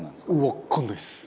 わかんないです。